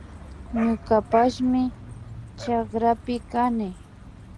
Ñukapashmi chakrapi kani